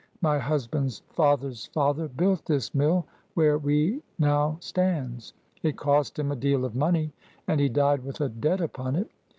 "My husband's father's father built this mill where we now stands. It cost him a deal of money, and he died with a debt upon it.